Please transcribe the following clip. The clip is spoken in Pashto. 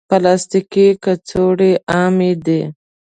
پلاستيکي کڅوړې عامې دي.